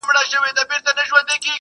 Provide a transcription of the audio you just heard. یو څه بېخونده د ده بیان دی!